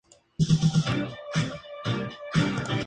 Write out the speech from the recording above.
Los dos son tan buenos actores.